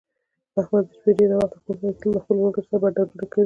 احمد د شپې ډېر ناوخته کورته راځي، تل د خپلو ملگرو سره بنډارونه کوي.